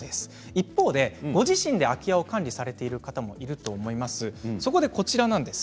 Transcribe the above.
一方でご自身で空き家の管理をしている方もいると思います。